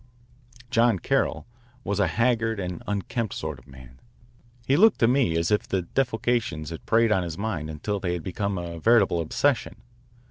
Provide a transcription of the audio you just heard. John Carroll Was a haggard and unkempt sort of man. He looked to me as if the defalcations had preyed on his mind until they had become a veritable obsession.